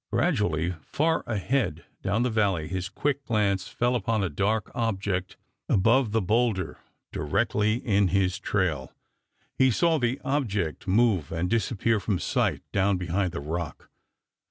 Gradually, far ahead down the valley, his quick glance fell upon a dark object above the bowlder directly in his trail. He saw the object move and disappear from sight down behind the rock.